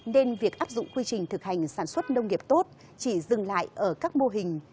nên việc áp dụng quy trình thực hành sản xuất nông nghiệp tốt chỉ dừng lại ở các mô hình